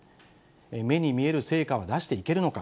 目に見える成果は出していけるのか。